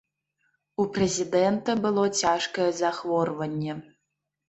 У прэзідэнта было цяжкае захворванне.